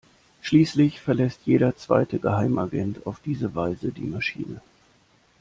Schließlich verlässt jeder zweite Geheimagent auf diese Weise die Maschine.